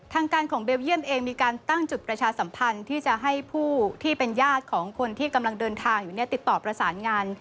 ทางการของเบลเยี่ยมเองมีการตั้งจุดประชาสัมพันธ์ที่จะให้ผู้ที่เป็นญาติของคนที่กำลังเดินทางอยู่เนี่ยติดต่อประสานงาน